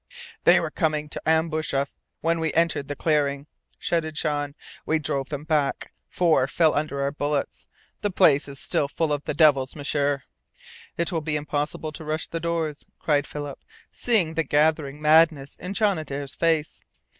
"They were coming to ambush us when we entered the clearing!" shouted Jean. "We drove them back. Four fell under our bullets. The place is still full of the devils, M'sieur!" "It will be impossible to rush the doors," cried Philip, seeing the gathering madness in John Adare's face.